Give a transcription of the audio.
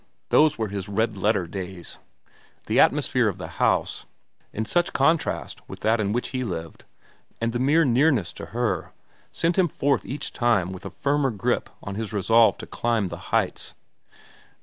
Those were his red letter days. The atmosphere of the house, in such contrast with that in which he lived, and the mere nearness to her, sent him forth each time with a firmer grip on his resolve to climb the heights.